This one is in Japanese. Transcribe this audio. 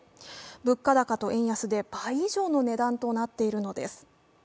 物価高と円安で倍以上の値段となっているのです。